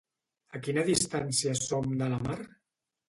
A quina distància som de la mar?